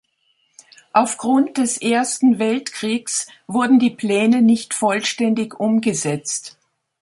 Aufgrund des Ersten Weltkriegs wurden die Pläne nicht vollständig umgesetzt.